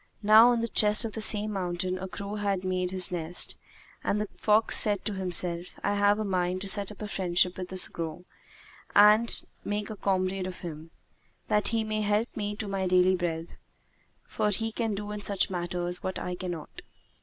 Now on the crest of the same mountain a crow had made his nest, and the fox said to himself, "I have a mind to set up a friendship with this crow and make a comrade of him, that he may help me to my daily bread; for he can do in such matters what I cannot."